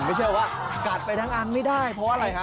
ไม่ใช่ว่ากัดไปทั้งอันไม่ได้เพราะอะไรฮะ